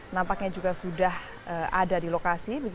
nampaknya juga sudah ada di lokasi